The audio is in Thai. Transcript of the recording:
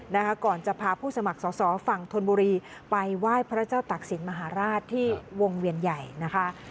นะคะก่อนจะพาผู้สมัครสอสอฝั่งธนบุรีไปไหว้พระเจ้าตักศิลปมหาราชที่วงเวียนใหญ่นะคะ